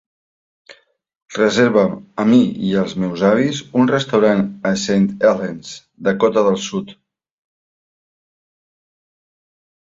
Reserva'm a mi i als meus avis un restaurant a Saint Helens, Dakota del Sud.